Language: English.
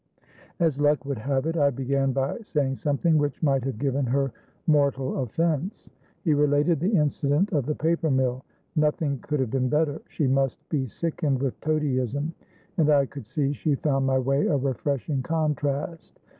"As luck would have it, I began by saying something which might have given her mortal offence." He related the incident of the paper mill. "Nothing could have been better. She must be sickened with toadyism, and I could see she found my way a refreshing contrast.